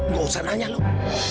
gak usah nanya loh